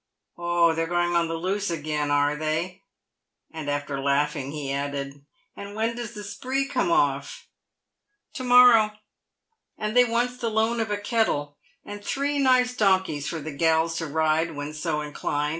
Oh, they're going on the loose again, are they ?" And after laughing, he added, " And when does the spree come off?" " To morrow ;"and they wants the loan of a kettle, and three nice donkeys for the gals to ride when so inclined.